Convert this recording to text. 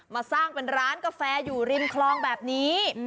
มาสร้างเป็นร้านกาแฟอยู่ริมคลองแบบนี้